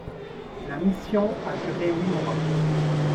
La mission a duré huit mois.